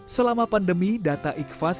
selama pandemi data ikhwas